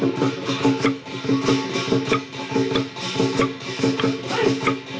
หลังจากคำสั่งที่ไม่ใช่